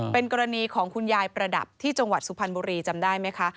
เป็นกรณีของคุณยายประดับที่จังหวัดสุพรรณบุรีจำได้ไหมคะ